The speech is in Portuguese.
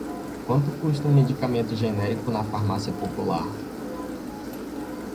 Quanto custa o medicamento genérico na farmácia popular?